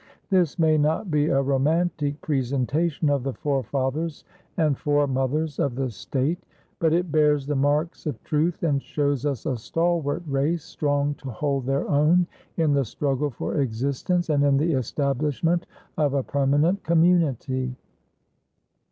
This may not be a romantic presentation of the forefathers and foremothers of the State, but it bears the marks of truth and shows us a stalwart race strong to hold their own in the struggle for existence and in the establishment of a permanent community.